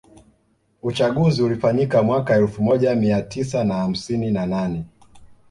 Uchaguzi ulifanyika mwaka elfu moja Mia tisa na hamsini na nane